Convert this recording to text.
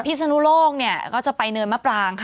พิศนุโลกก็จะไปเนินมะปลางค่ะ